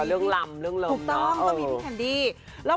ต้องมีเรื่องลำเนาะ